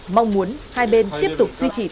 mong muốn hai bên tiếp tục duy trì tham gia